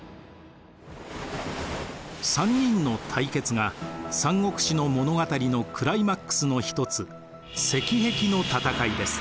３人の対決が「三国志」の物語のクライマックスの一つ赤壁の戦いです。